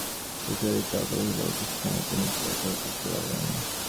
সুচরিতা কহিল, সেখানে তিনি কি একলা থাকতে পারবেন?